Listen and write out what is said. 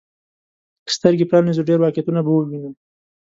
که سترګي پرانيزو، ډېر واقعيتونه به ووينو.